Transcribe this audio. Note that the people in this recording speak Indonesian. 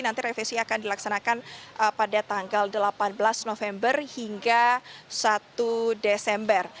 nanti revisi akan dilaksanakan pada tanggal delapan belas november hingga satu desember